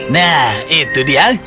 nah itu dia